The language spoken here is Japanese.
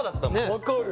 分かる！